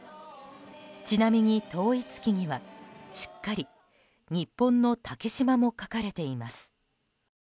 ちなみに統一旗には、しっかり日本の竹島も描かれています。